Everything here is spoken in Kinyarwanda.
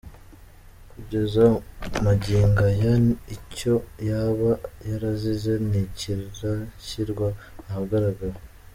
Kugeza magingo aya icyo yaba yarazize ntikirashyirwa ahagaragara.